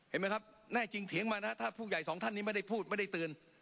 เห็นไหมครับแน่จริงเถียงมานะถ้าผู้ใหญ่สองท่านนี้ไม่ได้พูดไม่ได้ตื่น